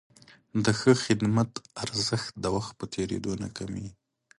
د ښه خدمت ارزښت د وخت په تېرېدو نه کمېږي.